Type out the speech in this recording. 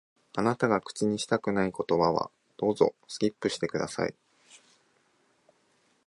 あなたが口にしたくない言葉は、どうぞ、スキップして下さい。